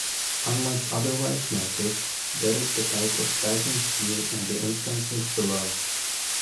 Unless otherwise noted, that is the type of Dyson sphere in the instances below.